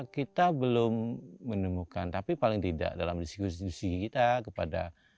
kita belum menemukan tapi paling tidak dalam diskusi diskusi kita kepada